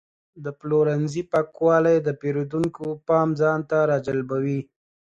د پلورنځي پاکوالی د پیرودونکو پام ځان ته راجلبوي.